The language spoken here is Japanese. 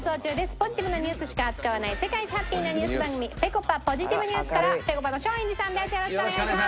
ポジティブなニュースしか扱わない世界一ハッピーなニュース番組『ぺこぱポジティブＮＥＷＳ』からぺこぱの松陰寺さんです。